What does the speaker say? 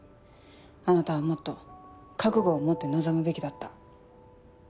あなたはもっと覚悟を持って臨むべきだった。